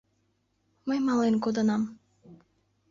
— Мый мален кодынам.